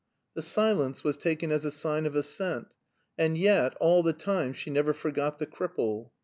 The silence was taken as a sign of assent. And yet, all the time she never forgot the cripple.